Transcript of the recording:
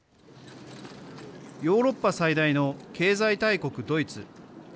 ヨーロッパ最大の経済大国ドイツ。